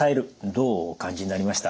どうお感じになりました？